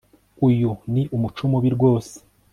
Uyu ni umuco mubi rwose